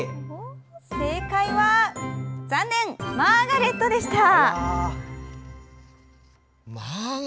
正解は残念マーガレットでした。